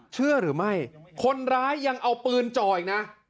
เชื่อหรือไม่คนร้ายยังเอาปืนจ่ออีกนะ